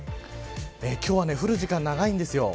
今日は降る時間長いんです。